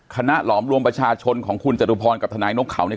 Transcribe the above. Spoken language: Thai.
คณะหลอมรวมประชาชนของคุณจตุพรรณกับฐนายนกเข่านี้